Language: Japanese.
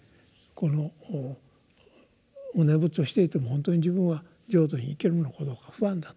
このお念仏をしていてもほんとに自分は浄土に行けるのかどうか不安だ」と。